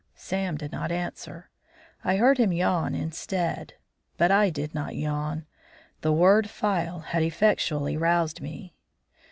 Sam did not answer; I heard him yawn instead. But I did not yawn; that word "phial," had effectually roused me.